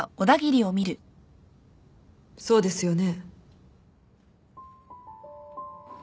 そうですよね？